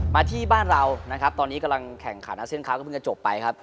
มาที่บ้านเรานะครับตอนนี้กำลังแข่งขันอาเซียนคลับก็เพิ่งจะจบไปครับ